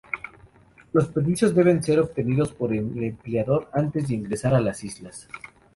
Los permisos deben ser obtenidos por el empleador antes de ingresar a las islas.